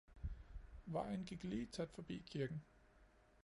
Vejen gik lige tæt forbi kirken.